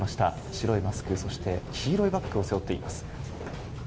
白いマスクそして黄色いバッグを背負っています。